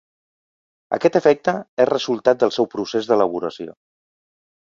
Aquest efecte és resultat del seu procés d'elaboració.